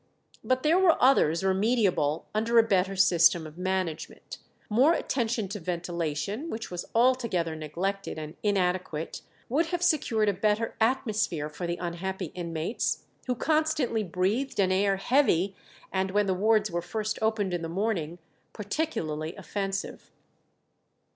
But there were others remediable under a better system of management. More attention to ventilation, which was altogether neglected and inadequate, would have secured a better atmosphere for the unhappy inmates, who constantly breathed an air heavy, and, when the wards were first opened in the morning, particularly offensive.